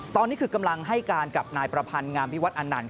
ตอนนี้คือกำลังให้การกับนายประพันธ์งามวิวัตอันนันต์